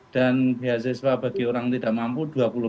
dan biasa sebab bagi orang tidak mampu dua puluh